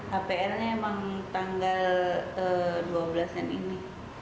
hpl nya memang tanggal dua belas an ini